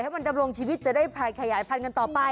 ให้มันดำรงชีวิตจะได้ขยายทางกันต่อไป